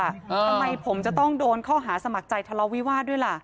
ทำไมผมจะต้องโดนข้อหาสมัครใจทะเลาวิวาสด้วยล่ะ